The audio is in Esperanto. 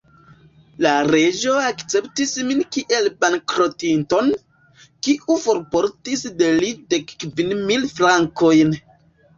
La Reĝo akceptis min kiel bankrotinton, kiu forportis de li dek kvin mil frankojn.